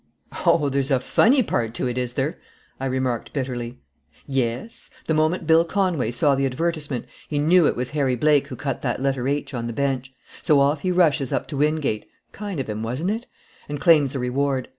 "O, there's a funny part to it, is there?" I remarked bitterly. "Yes. The moment Bill Conway saw the advertisement, he knew it was Harry Blake who cut that letter H on the bench; so off he rushes up to Wingate kind of him, wasn't it? and claims the reward.